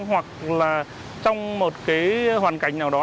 hoặc là trong một cái hoàn cảnh nào đó